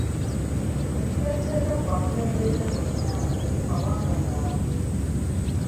Essa etteeka ku bakulembeze bonna mu mawanga gaabwe.